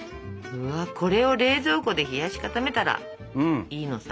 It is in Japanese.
これを冷蔵庫で冷やし固めたらいいのさ。